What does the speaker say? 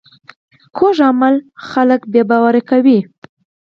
کوږ عمل خلک بې باوره کوي